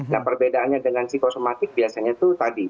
nah perbedaannya dengan psikosomatik biasanya itu tadi